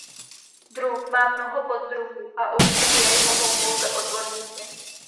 Druh má mnoho poddruhů a určit jej mohou pouze odborníci.